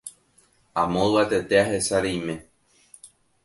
Amo yvatete ahecha reime